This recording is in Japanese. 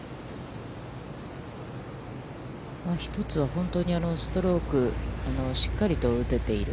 一つは本当にストローク、しっかりと打てている。